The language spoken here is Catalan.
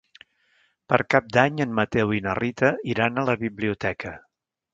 Per Cap d'Any en Mateu i na Rita iran a la biblioteca.